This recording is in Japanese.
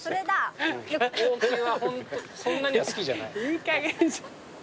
いいかげんに。